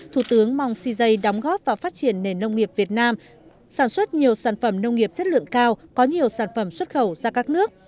thủ tướng mong cj đóng góp vào phát triển nền nông nghiệp việt nam sản xuất nhiều sản phẩm nông nghiệp chất lượng cao có nhiều sản phẩm xuất khẩu ra các nước